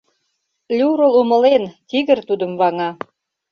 Люрл умылен: тигр тудым ваҥа.